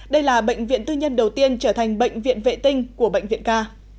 đây là bệnh viện tư nhân đầu tiên trở thành bệnh viện vệ tinh của bệnh viện ca